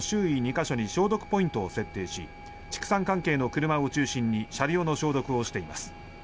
２か所に消毒ポイントを設定し畜産関係の車を中心に車両の消毒をしています。